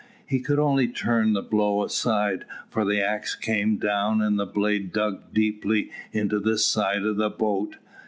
He could only turn the blow aside, for the axe came down, and the blade dug deeply into the side of the boat.